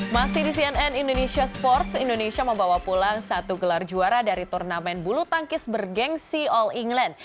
masih di cnn indonesia sports indonesia membawa pulang satu gelar juara dari turnamen bulu tangkis bergensi all england